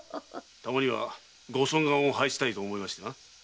たまにはご尊顔を拝したいと思いましてな。